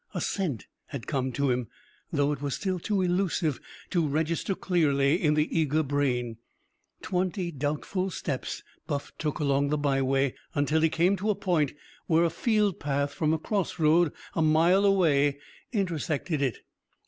A scent had come to him, though it was still too elusive to register clearly in the eager brain. Twenty doubtful steps Buff took along the byway, until he came to a point where a field path from a cross road a mile away intersected it.